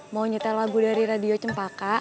mau nyetel lagu dari radio cempaka